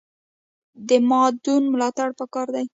د مادون ملاتړ پکار دی